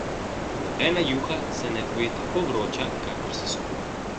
Nobena juha se ne poje tako vroča, kakor se skuha.